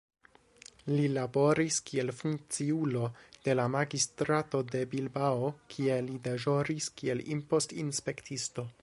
Li laboris kiel funkciulo de la magistrato de Bilbao, kie li deĵoris kiel impost-inspektisto.